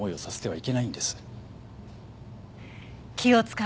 はい。